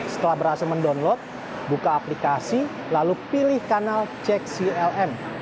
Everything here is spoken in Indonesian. setelah berhasil mendownload buka aplikasi lalu pilih kanal cek clm